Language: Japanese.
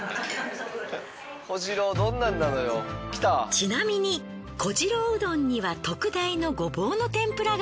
ちなみに小次郎うどんには特大のごぼうの天ぷらが。